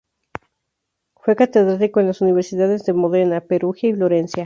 Fue catedrático en las Universidades de Módena, Perugia y Florencia.